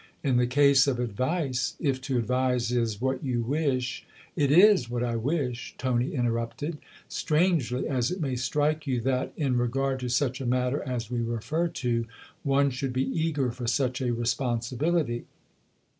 In the case of advice, if to advise is what you wish "" It t's what I wish," Tony interrupted ;" strangely as it may strike you that, in regard to such a matter as we refer to, one should be eager for such a responsibility.